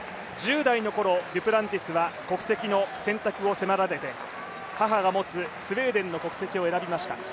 １０代の頃、デュプランティスは国籍の選択を迫られて母が持つスウェーデンの国籍を選びました。